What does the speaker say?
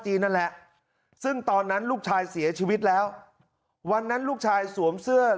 นั่นแหละซึ่งตอนนั้นลูกชายเสียชีวิตแล้ววันนั้นลูกชายสวมเสื้อ